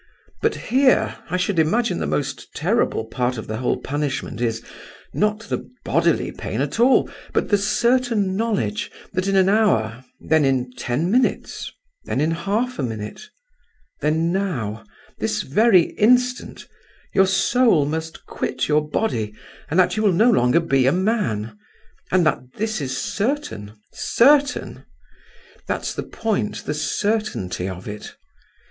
But here I should imagine the most terrible part of the whole punishment is, not the bodily pain at all—but the certain knowledge that in an hour,—then in ten minutes, then in half a minute, then now—this very instant—your soul must quit your body and that you will no longer be a man—and that this is certain, certain! That's the point—the certainty of it.